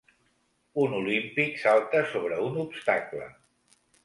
Un olímpic salta sobre un obstacle